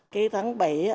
khi tháng bảy